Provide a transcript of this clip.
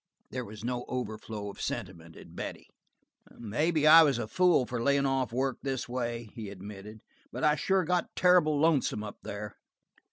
There was no overflow of sentiment in Betty. "Maybe I was a fool for laying off work this way," he admitted, "but I sure got terrible lonesome up there."